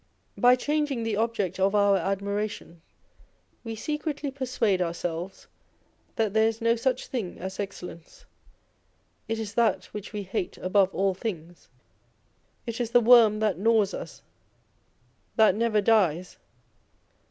By changing the object of our admiration, we secretly persuade ourselves that there is no such thing as excellence. It is that which we hate above all things. It is the worm that gnaws us, that never dies.